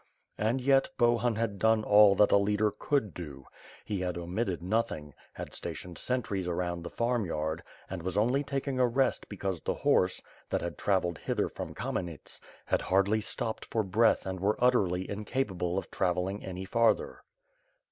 And, yet Bohun had done all that a leader could do. He had omitted nothing, had stationed sentries around the farmyard, and was only taking a rest because the horse, that had traveled hither from Kamenets, had hardly stopped for 500 WITH FIRE AND SWORD. 50I breath and were utterably incapable of traveling any farther.